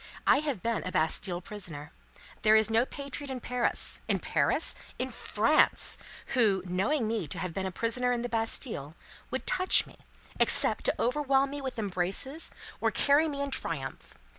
I have been a Bastille prisoner. There is no patriot in Paris in Paris? In France who, knowing me to have been a prisoner in the Bastille, would touch me, except to overwhelm me with embraces, or carry me in triumph.